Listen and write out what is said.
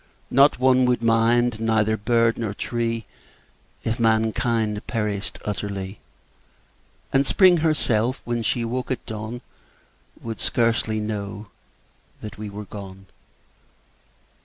Not one would mind, neither bird nor tree If mankind perished utterly; And Spring herself, when she woke at dawn, Would scarcely know that we were gone.